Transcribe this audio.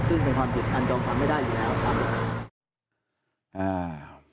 ซึ่งเป็นความผิดอันจอมขวัญไม่ได้อยู่แล้วครับ